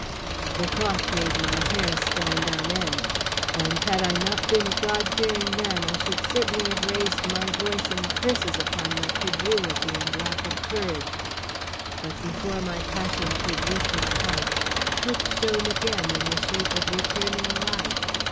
The thought made my hair stand on end and had I not been a God fearing man I should certainly have raised my voice in curses upon my credulity and lack of courage. But before my passion could reach its height, hope shone again in the shape of returning light.